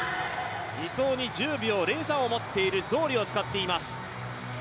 ２走に１０秒０３を持っているゾーリを使っています。